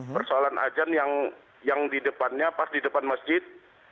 persoalan ajan yang di depannya pas di depan masjid